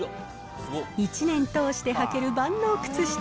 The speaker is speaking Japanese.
一年通して履ける万能靴下。